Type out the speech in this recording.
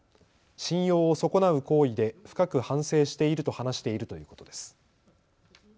信用を損なう行為で深く反省していると話しているということです。